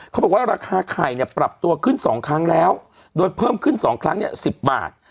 เขาบอกว่าราคาไข่เนี่ยปรับตัวขึ้น๒ครั้งแล้วโดยเพิ่มขึ้น๒ครั้งเนี่ย๑๐บาท